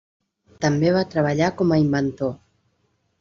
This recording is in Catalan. També va treballar com a inventor.